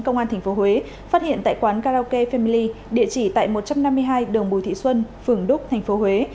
công an tp huế phát hiện tại quán karaoke family địa chỉ tại một trăm năm mươi hai đường bùi thị xuân phường đúc tp huế